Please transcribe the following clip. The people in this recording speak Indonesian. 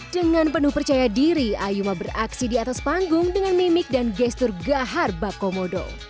dengan penuh percaya diri ayuma beraksi di atas panggung dengan mimik dan gestur gahar bak komodo